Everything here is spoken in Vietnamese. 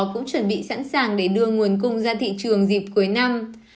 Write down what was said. cũng chuẩn bị sẵn sàng để đưa nguồn cung ra thị trường dịp cuối năm